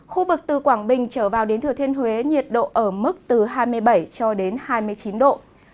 khu vực từ quảng bình trở vào đến thừa thiên huế nhiệt độ ở mức từ hai mươi bảy cho đến hai mươi chín độ